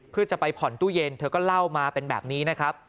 เพื่อจะไปผ่อนตู้เย็นเธอก็เล่ามาเป็นแบบนี้นะครับ